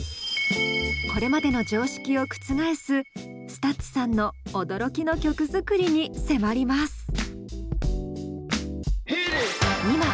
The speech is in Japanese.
これまでの常識を覆すＳＴＵＴＳさんの驚きの曲作りに迫ります。